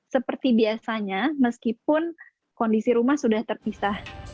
seperti biasanya meskipun kondisi rumah sudah terpisah